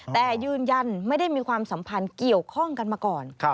แต่ยืนยันไม่ได้มีความสัมพันธ์เกี่ยวข้องกันมาก่อน